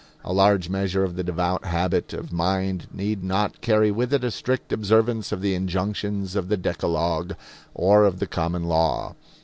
A large measure of the devout habit of mind need not carry with it a strict observance of the injunctions of the Decalogue or of the common law.